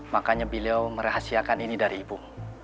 makanya beliau merahasiakan ini dari ibu